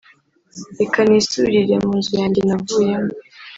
“Reka nisubirire mu nzu yanjye navuyemo